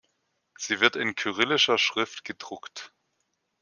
Sie wird in kyrillischer Schrift gedruckt.